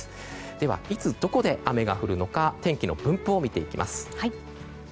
では、いつどこで雨が降るのか天気の分布を見ていきます。